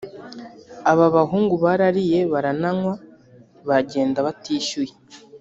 Aba bahungu barariye barananywa bagenda batishyuye